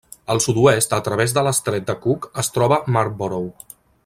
Al sud-oest a través de l'estret de Cook es troba Marlborough.